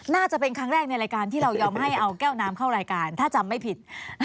น่าจะเป็นครั้งแรกในรายการที่เรายอมให้เอาแก้วน้ำเข้ารายการถ้าจำไม่ผิด